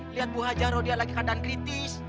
lihat bu hajaroh dia lagi keadaan kritis